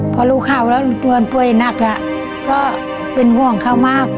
พอรู้ข่าวแล้วลุงปวนป่วยหนักก็เป็นห่วงเขามาก